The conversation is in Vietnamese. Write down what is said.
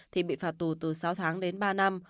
thì bị phạt tù từ sáu tháng đến ba năm